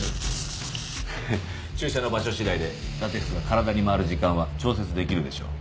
ハハッ注射の場所次第でラテックスが体に回る時間は調節できるでしょう。